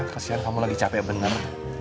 kesian kamu lagi capek bener